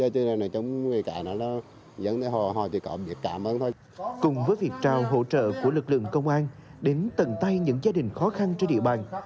cùng với việc trao hỗ trợ của lực lượng công an đến tận tay những gia đình khó khăn trên địa bàn